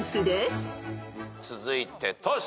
続いてトシ。